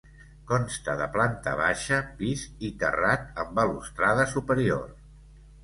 Consta de planta baixa, pis i terrat amb balustrada superior.